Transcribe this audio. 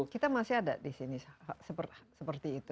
kita masih ada disini seperti itu